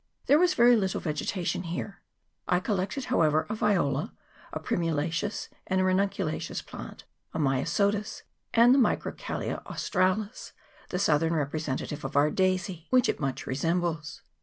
There was very little vegetation here : I collected, however, a Viola, a primulaceous and a ranuncu laceous plant, a Myosotis, and the Microcalia Aus tralis, the southern representative of our daisy, which CHAP. VII.] OF MOUNT EGMONT. 155 it much resembles.